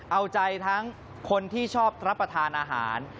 เอาใจทั้งคนที่ชอบรับประทานอาหาร